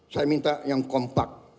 saya minta yang kompak